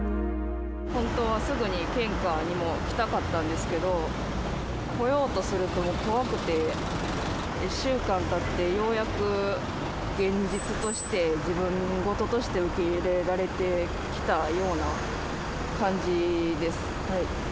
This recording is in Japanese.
本当はすぐに献花にも来たかったんですけど、来ようとすると怖くて、１週間たってようやく現実として、自分事として受け入れられてきたような感じです。